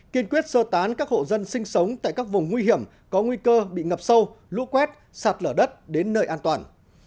kiên quyết sơ tán các hộ dân sinh sống tại các vùng nguy hiểm có nguy cơ bị ngập sâu lũ quét sạt lở đất đến nơi an toàn